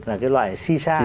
là cái loại shisha